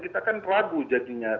kita kan ragu jadinya